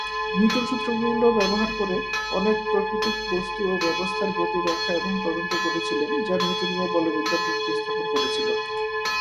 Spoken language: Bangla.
নিউটন সূত্রগুলো ব্যবহার করে অনেক প্রাকৃতিক বস্তু এবং ব্যবস্থার গতি ব্যাখ্যা এবং তদন্ত করেছিলেন, যা নিউটোনীয় বলবিদ্যার ভিত্তি স্থাপন করেছিল।